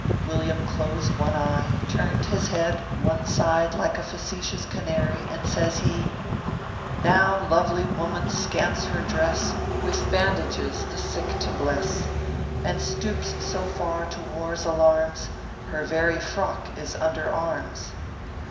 Villiam closed one eye, turned his head one side like a facetious canary, and says he : Now lovely woman scants her dress, with bandages the sick to bless ; and stoops so far to war s alarms, her very frock is under arms